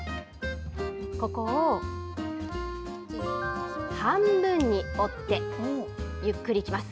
ここを半分に折って、ゆっくりいきます。